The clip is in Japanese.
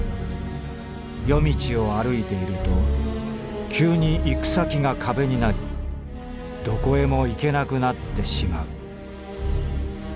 夜道を歩いていると急に行く先が壁になりどこへも行けなくなってしまう。